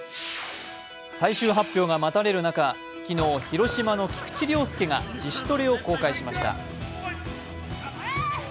最終発表が待たれる中、昨日広島の菊池涼介が自主トレを公開しました。